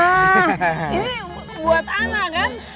ini buat ana kan